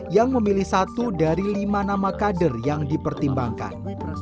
yang memilih satu dari lima nama kader yang dipertimbangkan